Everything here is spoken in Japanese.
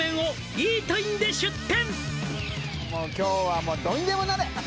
「イートインで出店」